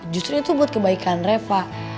justru itu buat kebaikan reva